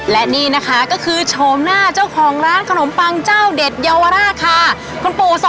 และนี่นะคะก็คือชมหน้าเจ้าของร้านขนมปังเจ้าเด็ดเยาวราชค่ะคุณปูสวัสดีค่ะ